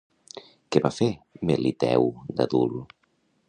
Què va fer Meliteu d'adult?